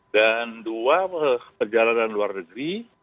dan dua perjalanan luar negeri